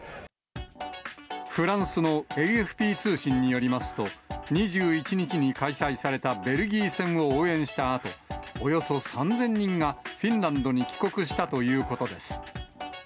フランスのＡＦＰ通信によりますと、２１日に開催されたベルギー戦を応援したあと、およそ３０００人がフィンランドに帰国したということです。